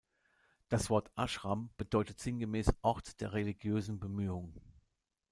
Das Wort "Aschram" bedeutet sinngemäß „Ort der religiösen Bemühung“.